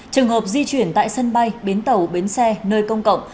trường hợp di chuyển tại sân bay bến tàu bến xe nơi công cộng